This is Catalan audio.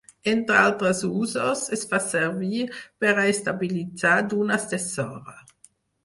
Entre altres usos, es fa servir per a estabilitzar dunes de sorra.